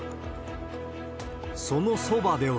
そのそばでは。